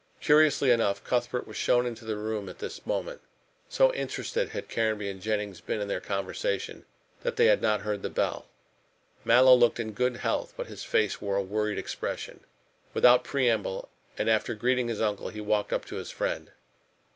Curiously enough, Cuthbert was shown into the room at this moment. So interested had Caranby and Jennings been in their conversation that they had not heard the bell. Mallow looked in good health, but his face wore a worried expression. Without preamble, and after greeting his uncle, he walked up to his friend.